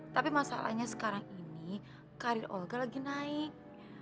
tapi masalahnya sekarang ini karir olga lagi naik